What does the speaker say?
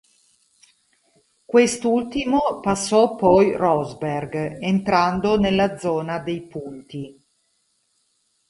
Quest'ultimo passò poi Rosberg, entrando nella zona dei punti.